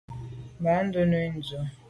Nya bùnte ndù.